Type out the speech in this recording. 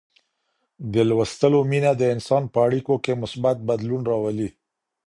د لوستلو مینه د انسان په اړیکو کي مثبت بدلون راولي.